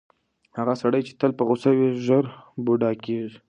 هغه سړی چې تل په غوسه وي، ژر بوډا کیږي.